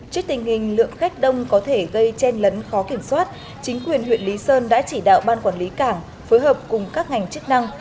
trước tình hình lượng khách đông có thể gây chen lấn khó kiểm soát chính quyền huyện lý sơn đã chỉ đạo ban quản lý cảng phối hợp cùng các ngành chức năng